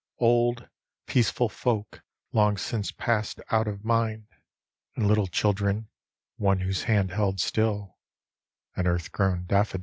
Old, peaceful folk long since passed out of mind, And little children — one whose hand held still An ear^>grown daffodil.